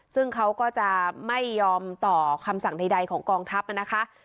ซึ่งเขาก็จะไม่ยอมต่อคำสั่งใดของกองทัพนะคะ